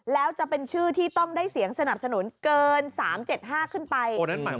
แล้วจะเป็นชื่อที่ต้องได้เสียงสนับสนุนเกิน๓๗๕ขึ้นไป